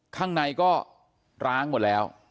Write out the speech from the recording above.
ข้างในก็ร้างหมดแล้ว